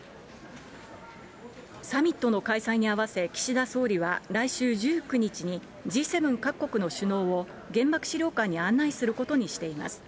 サミットの開催に合わせ、岸田総理は来週１９日に、Ｇ７各国の首脳を、原爆資料館に案内することにしています。